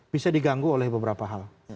bisa diganggu oleh beberapa hal